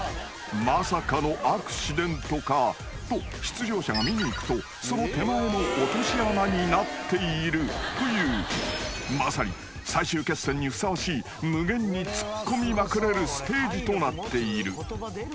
［まさかのアクシデントか？と出場者が見に行くとその手前も落とし穴になっているというまさに最終決戦にふさわしい無限にツッコみまくれるステージとなっている］